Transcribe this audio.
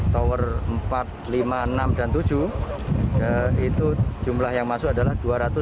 tower empat lima enam dan tujuh itu jumlah yang masuk adalah dua ratus tujuh puluh